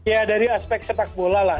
ya dari aspek sepak bola lah